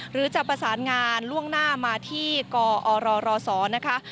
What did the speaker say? หรือจะประสานงานล่วงหน้ามาที่กอรศนะคะ